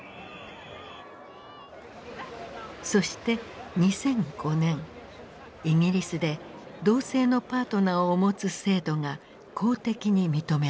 そして２００５年イギリスで同性のパートナーを持つ制度が公的に認められた。